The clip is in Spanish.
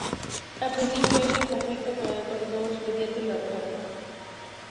Al principio, entra en conflicto con el Dr. Doug Ross, pediatra, y la Dra.